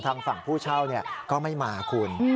ทางฝั่งผู้เช่าก็ไม่มาคุณ